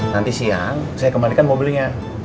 nanti siang saya kembalikan mobilnya